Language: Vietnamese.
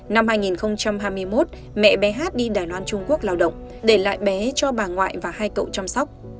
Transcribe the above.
năm hai nghìn hai mươi một mẹ bé hát đi đài loan trung quốc lao động để lại bé cho bà ngoại và hai cậu chăm sóc